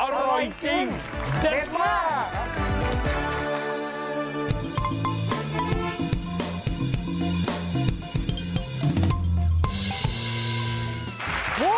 อร่อยจริงเด็ดมาก